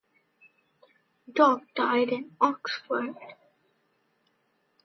Dock died in Oxford.